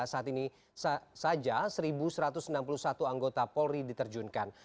saat ini saja satu satu ratus enam puluh satu anggota polri diterjunkan